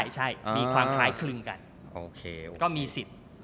ใช่มีความคล้ายคลึงกันก็มีสิทธิ์